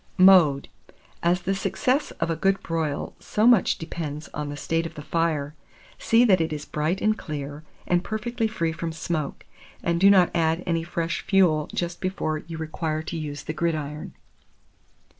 Mode. As the success of a good broil so much depends on the state of the fire, see that it is bright and clear, and perfectly free from smoke, and do not add any fresh fuel just before you require to use the gridiron.